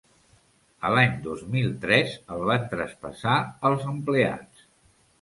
A l'any dos mil tres el van traspassar als empleats.